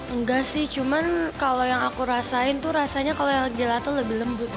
enggak sih cuman kalau yang aku rasain tuh rasanya kalau yang gelato lebih lembut